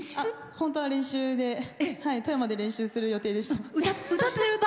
本当は練習で富山で練習する予定でした。